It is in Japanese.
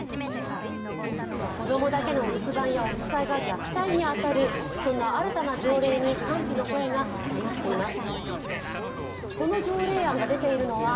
子供だけのお留守番やおつかいが虐待に当たる、そんな新たな条例に賛否の声が高まっています